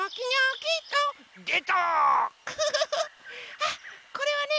あこれはね